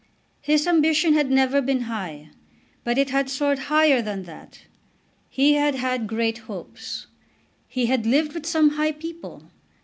His ambition had never been high, but it had soared higher than that. He had had great hopes. He had lived with some high people.